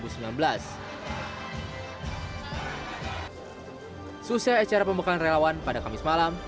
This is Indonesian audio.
selesai acara pembekalan relawan pada kamis malam